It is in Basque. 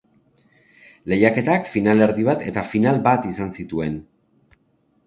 Lehiaketak finalerdi bat eta final bat izan zituen.